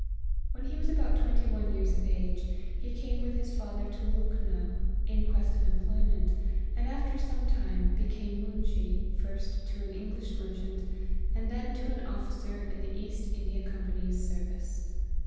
" When he was about twenty one years of age, he came with his father to Lukhnow, in quest of employment ; and after some time, became moonshee, first to an English merchant, and then to an officer in the East India Company's ser vice.